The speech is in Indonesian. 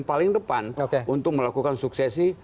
paling depan untuk melakukan suksesi